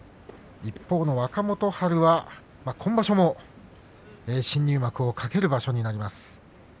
一方の若元春、今場所も新入幕を懸ける場所となります。